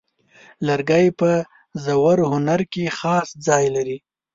لرګی په ژور هنر کې خاص ځای لري.